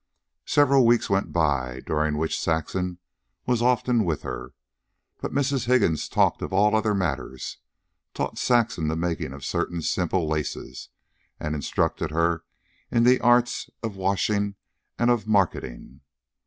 Several weeks went by, during which Saxon was often with her. But Mrs. Higgins talked of all other matters, taught Saxon the making of certain simple laces, and instructed her in the arts of washing and of marketing.